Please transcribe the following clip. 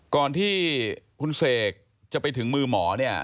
ก่อนที่คุณเศษจะไปถึงมือหมอ